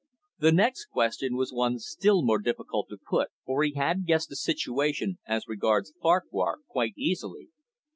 The next question was one still more difficult to put, for he had guessed the situation as regards Farquhar quite easily.